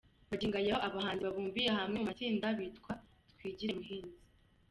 Magingo aya abo bahinzi bibumbiye hamwe mu matsinda bita”Twigire Muhinzi”.